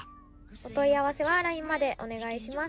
「お問い合わせはＬＩＮＥまでお願いします」